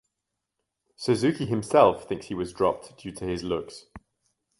Suzuki himself thinks he was dropped due to his looks.